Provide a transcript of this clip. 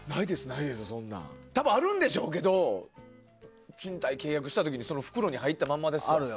多分、あるんでしょうけど賃貸契約した時に袋に入ったままです。